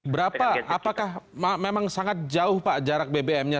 berapa apakah memang sangat jauh pak jarak bbm nya